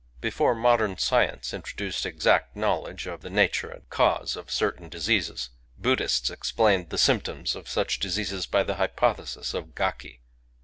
Before modern science introduced exact know ledge of the nature and cause of certain diseases, Buddhists explained the symptoms of such diseases by the hypothesis of gaki.